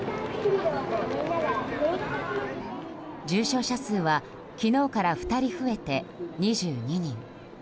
重症者数は昨日から２人増えて２２人。